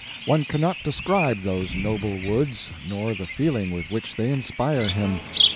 One cannot describe those noble woods, nor the feeling with which they inspire him.